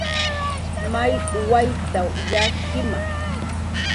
"May wayt""w yakkima "